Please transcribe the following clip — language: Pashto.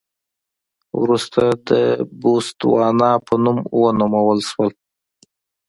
وروسته د بوتسوانا په نوم ونومول شول.